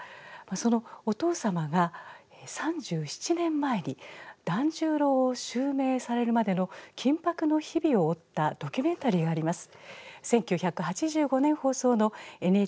そのお父様が３７年前に團十郎を襲名されるまでの緊迫の日々を追ったドキュメンタリーがあります。